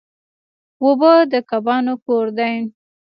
اوبه د کبانو کور دی.